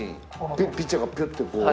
ピッチャーがピュッてこう。